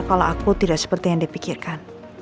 kalau aku tidak seperti yang dia pikirkan